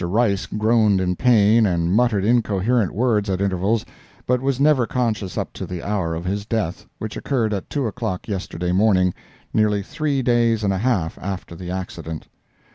Rice groaned in pain and muttered incoherent words at intervals, but was never conscious up to the hour of his death, which occurred at two o'clock yesterday morning, nearly three days and a half after the accident.